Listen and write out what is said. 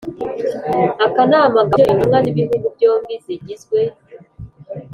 akanama gahuje intumwa z'ibihugu byombi zigizwe